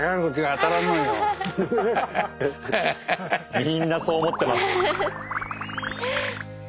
みんなそう思ってます。